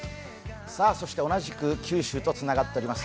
同じく九州とつながっております。